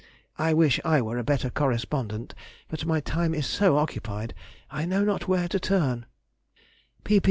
I wish I were a better correspondent, but my time is so occupied, I know not where to turn.